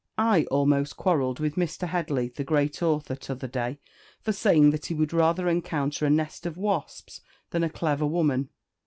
I almost quarrelled with Mr. Headley, the great author, t'other day, for saying that he would rather encounter a nest of wasps than a clever woman."